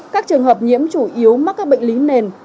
các trường hợp nhiễm chủ yếu mắc các bệnh lý nền